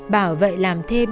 bà ở vậy làm thêm